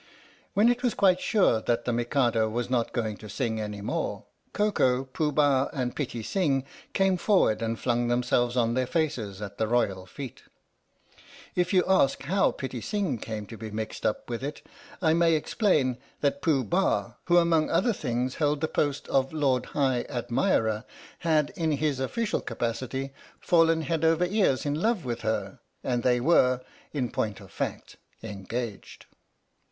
When it was quite sure that the Mikado was not going to sing any more, Koko, Pooh Bah and Pitti Sing came forward and flung themselves on their faces at the royal feet. If you ask how Pitti Sing came to be mixed up with it, I may explain that Pooh Bah, who among other things held the post of Lord High Admirer, had, in his official capacity, fallen head over ears in love with her, and they were, in point of fact, engaged.